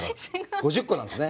５０個なんですね。